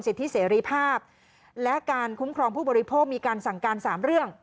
ที่เสรีภาพและการคุ้มครองผู้บริโภคมีการสั่งการ๓เรื่อง